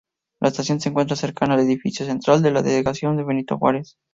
La estación se encuentra cercana al edificio central de la delegación Benito Juárez.